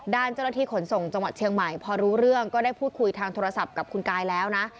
ด้านเจ้าหน้าที่ขนส่งจังหวัดเชียงใหม่พอรู้เรื่องก็ได้พูดคุยทางโทรศัพท์กับคุณกายแล้วนะ